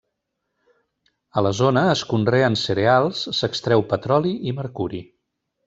A la zona es conreen cereals, s'extreu petroli i mercuri.